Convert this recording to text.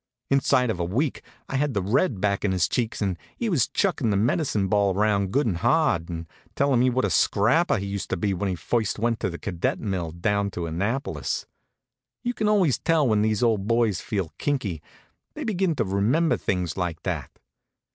Inside of a week I had the red back in his cheeks, and he was chuckin' the medicine ball around good and hard, and tellin' me what a scrapper he used to be when he first went to the cadet mill, down to Annapolis. You can always tell when these old boys feel kinky they begin to remember things like that.